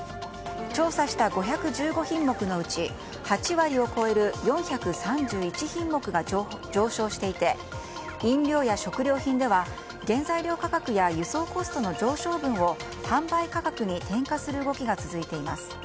調査した５１５品目のうち８割を超える４３１品目が上昇していて飲料や食料品では原材料価格や輸送コストの上昇分を販売価格に転嫁する動きが続いています。